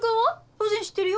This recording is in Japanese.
当然知ってるよ。